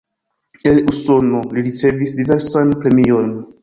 En Usono li ricevis diversajn premiojn.